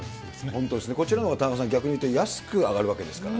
本当ですね、こちらも田中さん、逆に言うと安く上がるわけですね。